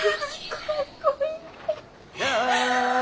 かっこいい！